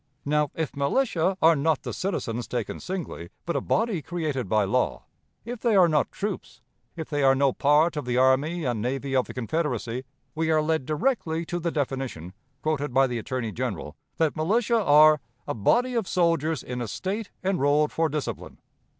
"Now, if militia are not the citizens taken singly, but a body created by law; if they are not troops; if they are no part of the Army and Navy of the Confederacy, we are led directly to the definition, quoted by the Attorney General, that militia are 'a body of soldiers in a State enrolled for discipline.'